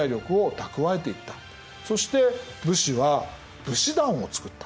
そして武士は武士団を作った。